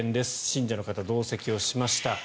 信者の方、同席しました。